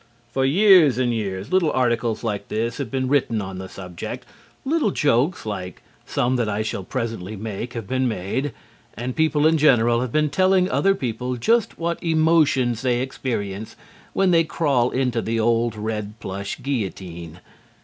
For years and years little articles like this have been written on the subject, little jokes like some that I shall presently make have been made, and people in general have been telling other people just what emotions they experience when they crawl into the old red plush guillotine.